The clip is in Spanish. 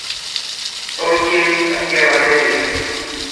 Tolkien la Tierra Media.